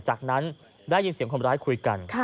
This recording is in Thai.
จากนั้นได้ยินเสียงคนร้ายคุยกัน